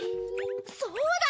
そうだ！